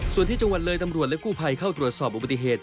ส่วนที่จังหวัดเลยตำรวจและกู้ภัยเข้าตรวจสอบอุบัติเหตุ